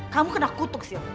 kamu kena kutuk sil